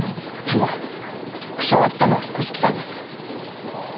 でも特賞を当てたのは五色さんです。